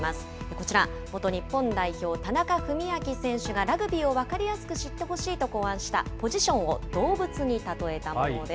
こちら、元日本代表、田中史朗選手がラグビーを分かりやすく知ってほしいと考案した、ポジションを動物に例えたものです。